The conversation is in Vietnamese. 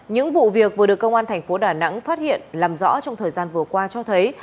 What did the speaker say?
những vụ việc vừa được công an thành phố đà nẵng phát hiện làm rõ trong thời gian vừa qua cho thấy